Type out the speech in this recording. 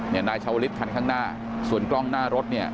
นายชาวลิศคันข้างหน้าส่วนกล้องหน้ารถเนี่ย